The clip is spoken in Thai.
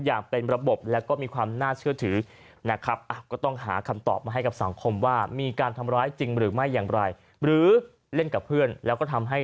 อย่างเป็นระบบและมีความน่าเชื่อถือ